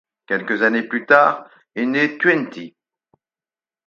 Quelques années plus tard est née Tuenti.